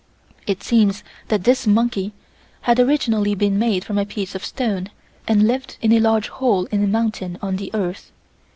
It seems that this monkey had originally been made from a piece of stone and lived in a large hole in a mountain on the earth.